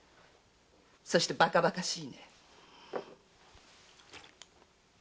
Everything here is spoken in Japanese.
そしてバカバカしい。